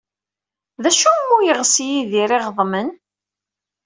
D acu umi yeɣs Yidir iɣeḍmen?